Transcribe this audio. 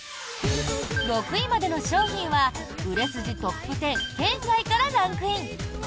６位までの商品は売れ筋トップ１０圏外からランクイン。